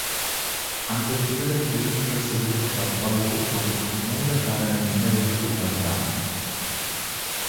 அந்தத் திருடன் புரிகின்ற செயலுக்கு அப்பாலே அதற்கு மூல காரணம் இன்னதென்று உணர்ந்தான்.